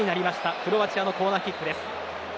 クロアチアのコーナーキック。